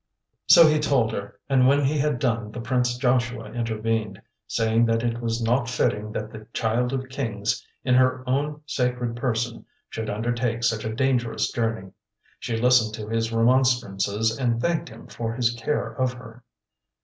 So he told her, and when he had done the Prince Joshua intervened, saying that it was not fitting that the Child of Kings in her own sacred person should undertake such a dangerous journey. She listened to his remonstrances and thanked him for his care of her.